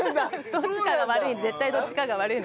どっちかが悪い